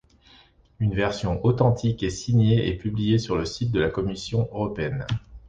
Une version authentique est signée et publiée sur le site de la commission européenne.